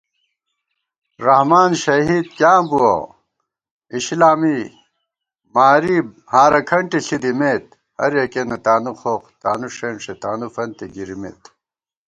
رحمان شہید کیاں بُوَہ اِشِلا می ماری ہارہ کھنٹےݪی دِمېت * ہریَکِیَنہ تانُوخوخ تانُو ݭېنݭےتانُوفنتےگِرِمېت